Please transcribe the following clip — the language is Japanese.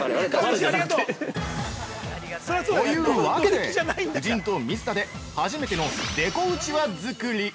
◆というわけで、夫人と水田で初めてのデコうちわ作り。